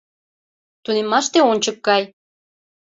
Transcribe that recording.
Тунеммаште ончык кай.